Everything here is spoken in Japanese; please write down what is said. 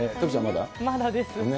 まだです。